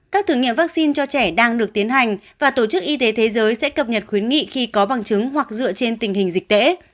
các thử nghiệm vaccine cho trẻ đang được tiến hành và tổ chức y tế thế giới sẽ cập nhật khuyến nghị khi có bằng chứng hoặc dựa trên tình hình dịch tễ